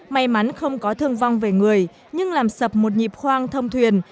may mắn không có thương vong về người nhưng làm sập một nhịp khoang thông thuyền